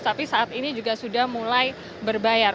tapi saat ini juga sudah mulai berbayar